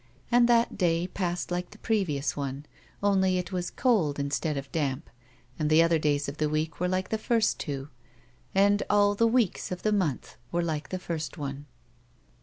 And that day passed like the previous one, only it was cold instead of damp, and the other days of the week were like the first two, and all the weeks of the month were like that first one.